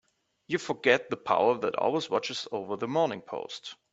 You forget the power that always watches over the Morning Post.